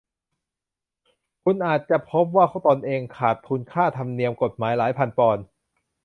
คุณอาจจะพบว่าตนเองขาดทุนค่าธรรมเนียมกฎหมายหลายพันปอนด์